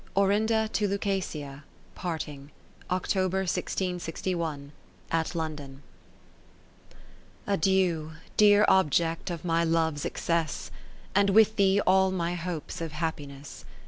Orinda to Lucasia parting, October, 1 661, at London Adieu, dear Object of my Love's excess. And with thee all my hopes of happiness.